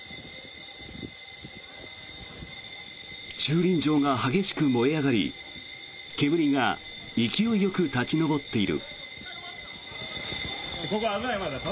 駐輪場が激しく燃え上がり煙が勢いよく立ち上っている。